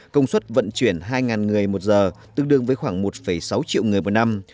công suất vận chuyển hai người một giờ tương đương với khoảng một sáu triệu người một năm